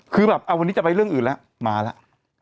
คือแบบวันนี้จะไปเรื่องอื่นแล้วมาแล้ว